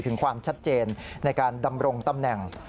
ถึงความชัดเจนในการดำรงตำแหน่ง